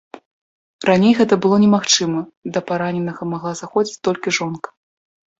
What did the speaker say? Раней гэта было немагчыма, да параненага магла заходзіць толькі жонка.